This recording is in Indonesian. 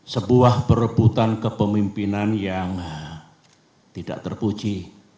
sebuah perebutan kepemimpinan yang tidak terpuji